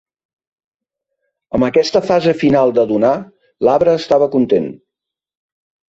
Amb aquesta fase final de donar, "l"arbre estava content".